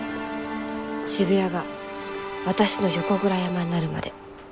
渋谷が私の横倉山になるまで。